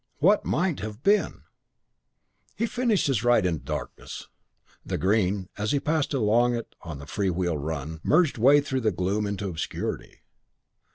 What might have been! VIII He finished his ride in darkness. The Green, as he passed along it on the free wheel run, merged away through gloom into obscurity.